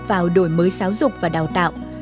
vào đội mới giáo dục và đào tạo